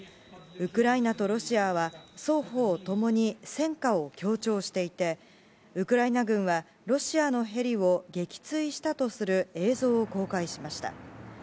ウクライナとロシアは双方共に戦果を強調していてウクライナ軍はロシアのヘリを撃墜したとする映像を公開しました。